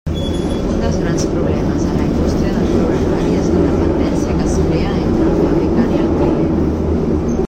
Un dels grans problemes en la indústria del programari és la dependència que es crea entre el fabricant i el client.